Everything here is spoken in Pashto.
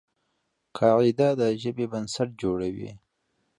قاعده د ژبي بنسټ جوړوي.